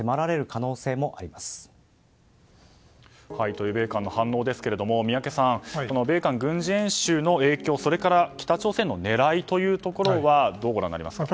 このような米韓の反応ですが宮家さん米韓軍事演習の影響そして北朝鮮の狙いというところはどうご覧になりますか。